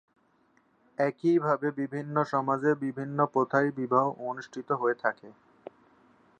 একইভাবে বিভিন্ন সমাজে বিভিন্ন প্রথায় বিবাহ অনুষ্ঠিত হয়ে থাকে।